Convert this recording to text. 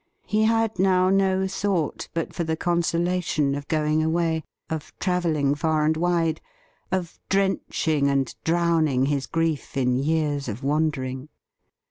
He had now no thought but for the consolation of going away — of travelling far and wide ; of drenching and drowning his grief in years of wandering.